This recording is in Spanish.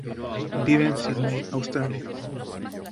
Vive en Sídney, Australia.